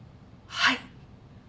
はい。